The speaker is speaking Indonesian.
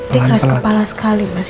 dia keras kepala sekali mas